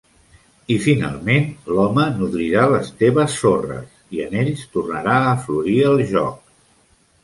I, finalment, l'home nodrirà les teves sorres, i en ells tornarà a florir el joc.